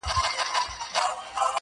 زه او زما ورته ياران.